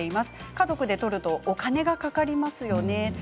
家族でとるとお金がかかりますよね